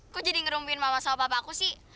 kok jadi ngerumpiin mama sama papa aku sih